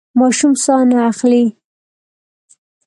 ماشوم ساه نه اخلي.